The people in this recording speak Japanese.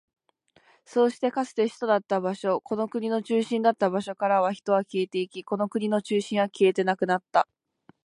そうして、かつて首都だった場所、この国の中心だった場所から人は消えていき、この国の中心は消えてなくなった。